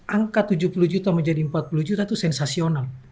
angka tujuh puluh juta menjadi empat puluh juta itu sensasional